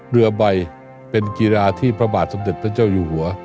เรือใบเป็นกีฬาที่พระบาทสมเด็จพระเจ้าอยู่หัว